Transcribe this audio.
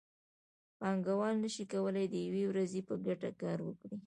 پانګوال نشي کولی د یوې ورځې په ګټه کار وکړي